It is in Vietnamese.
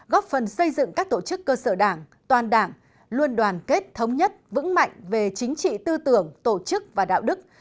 góp phần xây dựng các tổ chức cơ sở đảng toàn đảng luôn đoàn kết thống nhất vững mạnh về chính trị tư tưởng tổ chức và đạo đức